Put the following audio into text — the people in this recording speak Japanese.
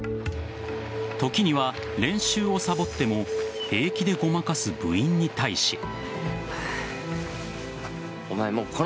時には練習をさぼっても平気でごまかす部員に対し。